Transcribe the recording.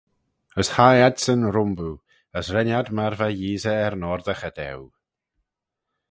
As hie adsyn rhymboo, as ren ad myr va Yeesey er noardaghey daue.